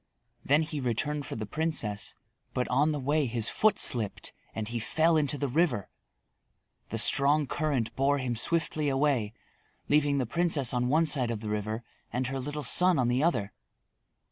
Then he returned for the princess, but on the way his foot slipped and he fell into the river. The strong current bore him swiftly away, leaving the princess on one side of the river and her little son on the other.